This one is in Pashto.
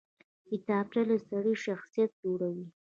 کتابچه له سړي شخصیت جوړوي